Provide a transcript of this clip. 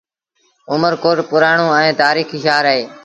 اُمر ڪوٽ پُرآڻو ائيٚݩ تآريٚکي شآهر اهي